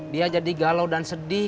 dia jadi galau dan sedih